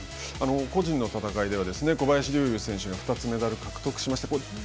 個人の戦いでは小林陵侑選手が２つメダルを獲得しました